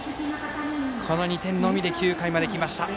この２点のみで９回まできました。